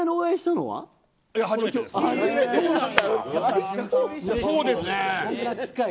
初めてです。